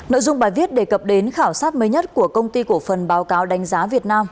nội dung bài viết đề cập đến khảo sát mới nhất của công ty cổ phần báo cáo đánh giá việt nam